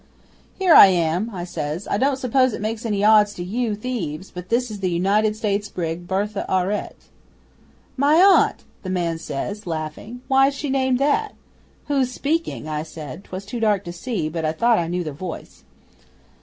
'"Here I am!" I says. "I don't suppose it makes any odds to you thieves, but this is the United States brig BERTHE AURETTE." '"My aunt!" the man says, laughing. "Why is she named that?" '"Who's speaking?" I said. 'Twas too dark to see, but I thought I knew the voice.